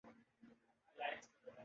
دیکھو تو کدھر آج رخ باد صبا ہے